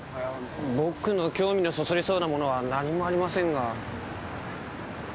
僕の興味をそそりそうなものは何もありませんが。